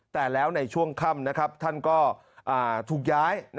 แต่แล้วในช่วงค่ำท่านก็ถูกย้าย